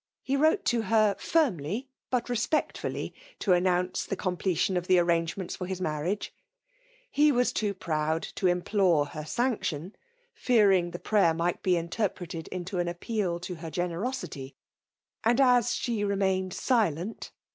He wrote to h^ Smly, but respectfully, to announce the com pletbtt of the arrangements for his maniaga. He was too proud to impknre her sanet&oa, fasdag the prayer wii^ be interpreted into •a appeal to her genemnty; aad aa ahem ■«aed aile&t.